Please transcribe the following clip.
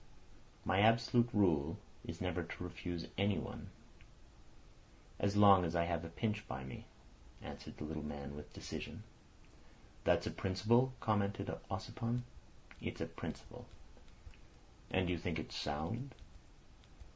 "My absolute rule is never to refuse anybody—as long as I have a pinch by me," answered the little man with decision. "That's a principle?" commented Ossipon. "It's a principle." "And you think it's sound?"